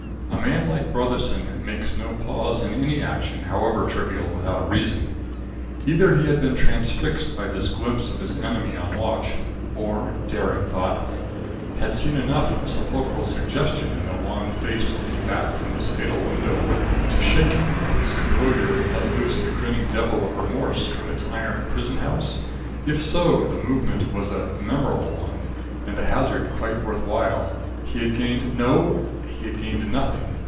A man like Brotherson makes no pause in any action however trivial, without a reason. Either he had been transfixed by this glimpse of his enemy on watch, or daring thought! had seen enough of sepulchral suggestion in the wan face looking forth from this fatal window to shake him from his composure and let loose the grinning devil of remorse from its iron prison house? If so, the movement was a memorable one, and the hazard quite worth while. He had gained no! he had gained nothing.